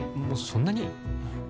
そんなに？